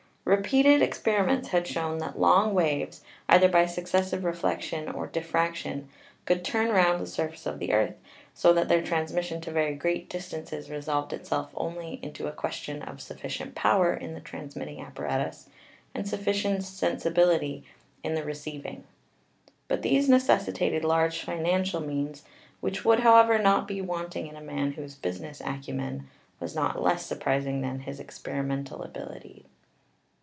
Repeated experiments had shown that long waves, either by successive reflection or dif fraction, could turn round the v surface of the earth, so that their transmission to very great distances resolved itself only into a question of sufficient power in the trans mitting apparatus and sufficient sensibility in the receiv ing; but these necessitated large financial means, which would, however, not be wanting in a man whose business acumen was not less surprising than his experimental abil ity.